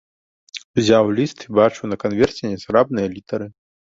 Узяў ліст і бачыў на канверце нязграбныя літары.